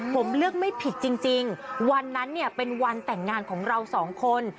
ผมเลือกไม่ผิดจริงวันนั้นเนี่ยเป็นวันแต่งงานของเราสองคน